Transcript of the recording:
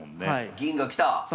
銀が来た！